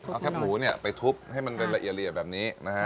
เอาแคบหมูเนี่ยไปทุบให้มันเป็นละเอียดแบบนี้นะฮะ